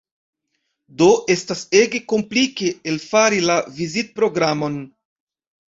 Do estas ege komplike elfari la vizitprogramon.